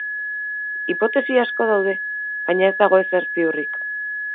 Hipotesi asko daude, baina ez dago ezer ziurrik.